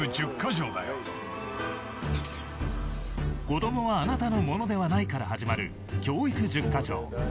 子供はあなたのものではないから始まる教育１０カ条。